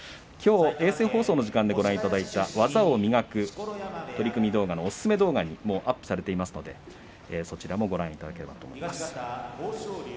きょう衛星放送の時間にご覧いただいた「技を磨く」取組動画のおすすめ動画にもアップされていますのでそちらもご覧いただければと思います。